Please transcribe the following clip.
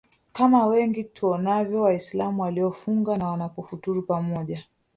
kama wengi tuonavyo waislamu waliofunga na wanapofuturu pamoja